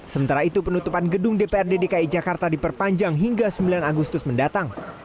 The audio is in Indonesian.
sementara itu penutupan gedung dprd dki jakarta diperpanjang hingga sembilan agustus mendatang